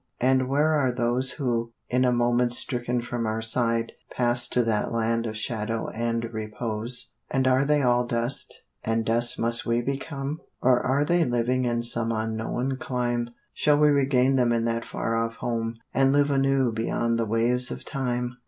and where are those Who, in a moment stricken from our side, Passed to that land of shadow and repose? "And are they all dust? and dust must we become? Or are they living in some unknown clime? Shall we regain them in that far off home, And live anew beyond the waves of time?